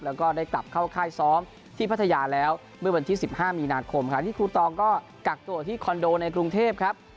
แล้วก็ได้กลับเข้าค่ายซ้อมที่พัทยาแล้วเมื่อวันที่๑๕มีนาคมขณะที่ครูตองก็กักตัวอยู่ที่คอนโดในกรุงเทพครับ